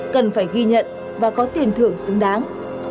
cần phải ghi nhận và có tiền thưởng xứng đáng